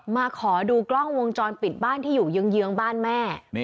มาขอดูกล้องวงจรปิดบ้านที่อยู่เยื้องบ้านแม่